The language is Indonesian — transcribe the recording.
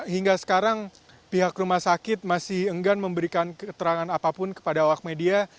hingga sekarang pihak rumah sakit masih enggan memberikan keterangan apapun kepada awak media